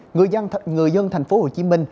người dân thành phố hồ chí minh